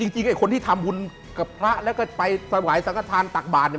จริงคนที่ทำหุ้นกับพระแล้วก็ไปสวายสังธารตักบาลเนี่ย